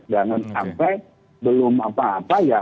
jangan sampai belum apa apa ya